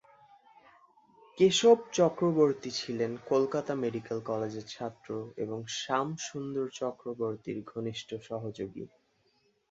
কেশব চক্রবর্তী ছিলেন কলকাতা মেডিকেল কলেজের ছাত্র এবং শাম সুন্দর চক্রবর্তীর ঘনিষ্ঠ সহযোগী।